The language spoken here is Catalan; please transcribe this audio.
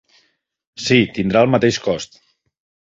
Sí, tindrà el mateix cost.